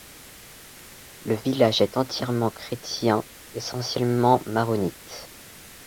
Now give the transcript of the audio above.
Le village est entièrement chrétien, essentiellement maronite.